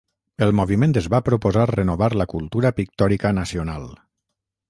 El moviment es va proposar renovar la cultura pictòrica nacional.